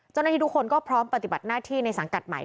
เจ้าหน้าที่ทุกคนก็พร้อมปฏิบัติหน้าที่ในสังกัดใหม่